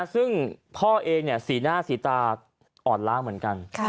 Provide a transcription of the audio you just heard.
ซึ่งพ่อเองสีหน้าสีตาอ่อนล้างเหมือนกัน